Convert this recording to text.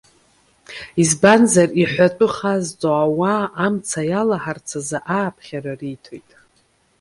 Избанзар, иҳәатәы хазҵо ауаа, амца иалаҳарц азы ааԥхьара риҭоит.